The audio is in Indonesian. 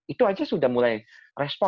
itu aja sudah mulai respon